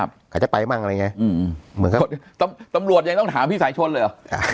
ครับอาจจะไปบ้างอะไรอย่างเงี้ยอืมตำรวจยังต้องถามพี่สายชนเลยเหรอ